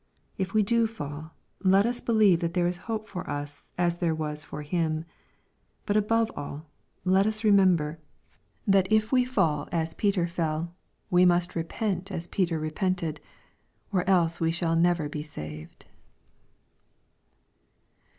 If we do fall, let us believe that there is hope for us as Hiere was for bim. But above all. let us remember, that 440 EXPOSITORY THOUGHTS. if we fall as Peter fell, we must repent as Peter repent* ed, or else we shall never be saved.